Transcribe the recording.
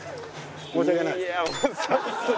申し訳ないです。